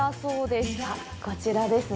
あっ、こちらですね。